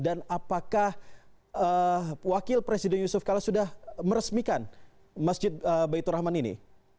dan apakah wakil presiden yusuf kala sudah meresmikan masjid baitur rahman ini